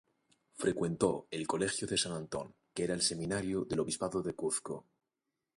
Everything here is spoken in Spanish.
Frecuentó el colegio de San Antón, que era el seminario del obispado de Cuzco.